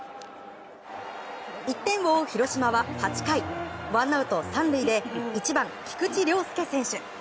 １点を追う広島は８回ワンアウト３塁で１番、菊池涼介選手。